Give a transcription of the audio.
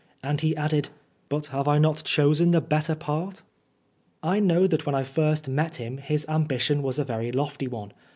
And he added, " But have I not chosen the better part ?" I know that when I first met him his ambition was a very lofty one.